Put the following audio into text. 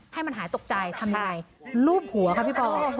ให้มันหายตกใจทำยายลูบหัวครับพี่พอ